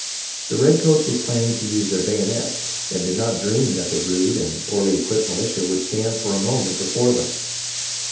The redcoats were planning to use their bayonets, and did not dream that the rude and poorly equipped militia would stand for a moment before them.